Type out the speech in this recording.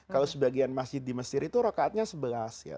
kalau sebagian masjid di mesir itu rokaatnya sebelas ya